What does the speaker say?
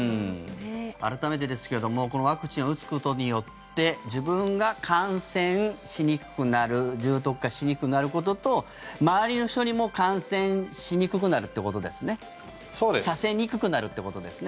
改めてですけれどもこのワクチンを打つことによって自分が感染しにくくなる重篤化しにくくなることと周りの人にも感染させにくくなるってことですね。